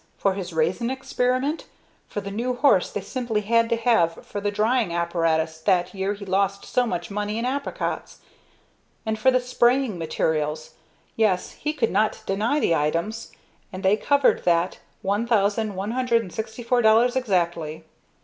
for his raisin experiment for the new horse they simply had to have for the drying apparatus that year he lost so much money in apricots and for the spraying materials yes, he could not deny the items, and they covered that $1,164.00 exactly.